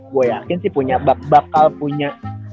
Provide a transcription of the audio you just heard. gua yakin sih punya bakal punya